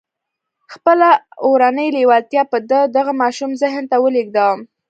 خپله اورنۍ لېوالتیا به د دغه ماشوم ذهن ته ولېږدوم.